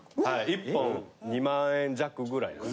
１本２万円弱ぐらいです。